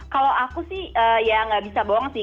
kalau aku sih ya nggak bisa bohong sih